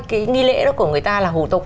cái nghi lễ đó của người ta là hủ tục